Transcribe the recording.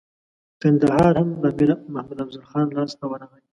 کندهار هم د امیر محمد افضل خان لاسته ورغی.